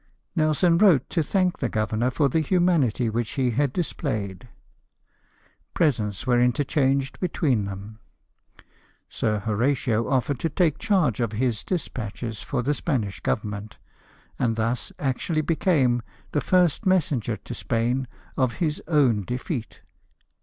Nelson wrote to thank the governor for the humanity which he had dis played. Presents were interchanged between them. Sir Horatio offered to take charge of his despatches for the Spanish Government, and thus actually be came the first messenger to Spain of his own defeat.